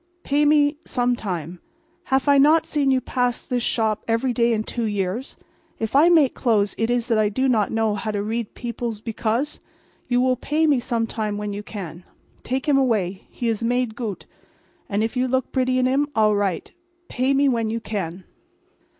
Pay me some time. Haf I not seen you pass mine shop every day in two years? If I make clothes is it that I do not know how to read beoples because? You will pay me some time when you can. Take him away. He is made goot; and if you look bretty in him all right. So. Pay me when you can."